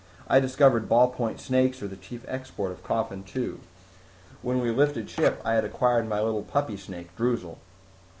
I discovered ballpoint snakes are the chief export of Coffin Two. When we lifted ship, I had acquired my little puppy snake, Droozle."